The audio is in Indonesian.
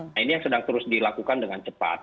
nah ini yang sedang terus dilakukan dengan cepat